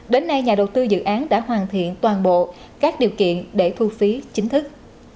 đến nay nhà đầu tư dự án đã hoàn thiện toàn bộ các điều kiện để thu phí chính thức